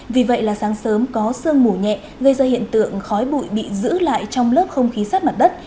vì vậy là sáng sớm có sương mù nhẹ gây ra hiện tượng khói bụi bị giữ lại trong lớp không khí sát mặt đất